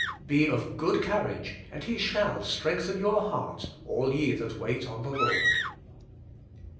Be of good courage, and He shall strengthen your heart, all ye that wait on the Lord.'